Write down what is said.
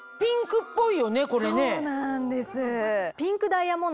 そうなんです。